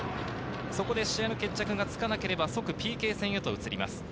そこで試合の決着がつかなければ即ＰＫ戦へと移ります。